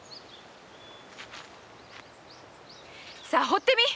さあほってみい！